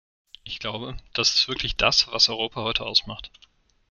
Ich glaube, das ist wirklich das, was Europa heute ausmacht.